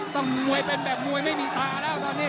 ต้องมวยแบบมวยไม่มีตา